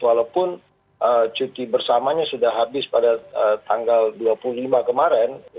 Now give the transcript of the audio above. walaupun cuti bersamanya sudah habis pada tanggal dua puluh lima kemarin